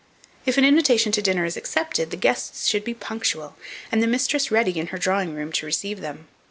If an invitation to dinner is accepted, the guests should be punctual, and the mistress ready in her drawing room to receive them.